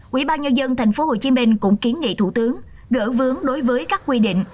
quỹ ban nhân dân tp hcm cũng kiến nghị thủ tướng gỡ vướng đối với các quy định